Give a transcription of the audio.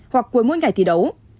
hoặc cuối mỗi ngày thi đấu